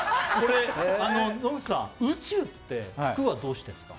野口さん、宇宙って服はどうしてるんですか？